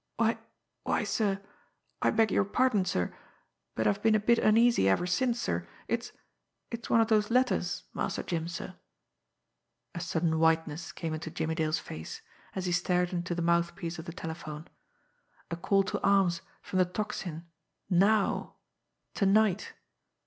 "Why why, sir I beg your pardon, sir, but I've been a bit uneasy ever since, sir. It's it's one of those letters, Master Jim, sir." A sudden whiteness came into Jimmie Dale's face, as he stared into the mouthpiece of the telephone. A "call to arms" from the Tocsin now to night!